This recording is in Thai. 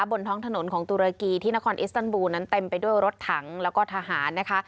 บนท้องถนนของตุรกีที่นครอิสตันบูลนั้นเต็มไปด้วยรถถังแล้วก็ทหารนะคะ